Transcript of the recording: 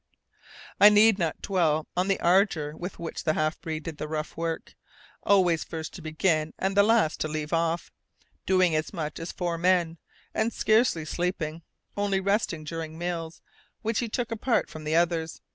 I need not dwell on the ardour with which the half breed did the rough work, always first to begin and the last to leave off, doing as much as four men, and scarcely sleeping, only resting during meals, which he took apart from the others.